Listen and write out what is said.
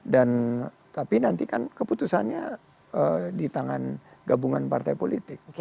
dan tapi nanti kan keputusannya di tangan gabungan partai politik